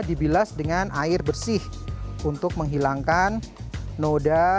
dibilas dengan air bersih untuk menghilangkan noda